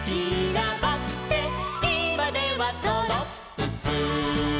「いまではドロップス」